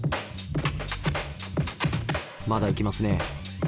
まだ行きますね。